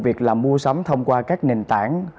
việc làm mua sắm thông qua các nền tảng